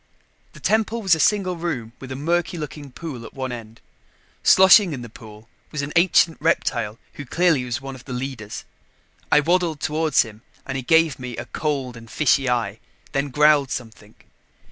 The temple was a single room with a murky looking pool at one end. Sloshing in the pool was an ancient reptile who clearly was one of the leaders. I waddled toward him and he gave me a cold and fishy eye, then growled something.